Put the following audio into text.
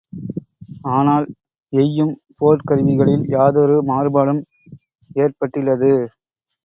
ஆனால், எய்யும் போர்க் கருவிகளில் யாதொரு மாறுபாடும் ஏற்பட்டிலது.